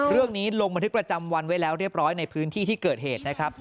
ลงบันทึกประจำวันไว้แล้วเรียบร้อยในพื้นที่ที่เกิดเหตุนะครับ